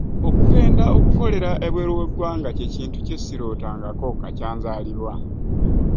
Okugenda okukolera ebweru we ggwanga kye kintu kye sirootangako kakya nzaalibwa.